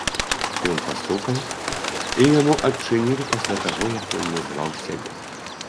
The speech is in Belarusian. Ён пастукаў, і яму адчынілі пасля таго, як ён назваў сябе.